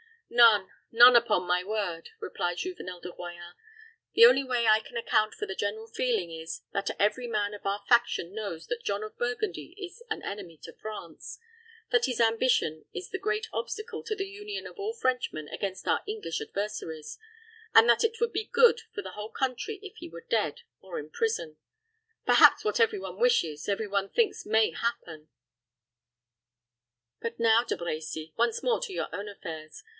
"None none, upon my word," replied Juvenel de Royans. "The only way I can account for the general feeling is, that every man of our faction knows that John of Burgundy is an enemy to France; that his ambition is the great obstacle to the union of all Frenchmen against our English adversaries; and that it would be good for the whole country if he were dead or in prison. Perhaps what every one wishes, every one thinks may happen. But now, De Brecy, once more to your own affairs.